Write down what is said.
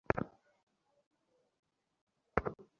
আপনাকে আমাদের বিয়ের বারাতে যোগ দিতে হবে।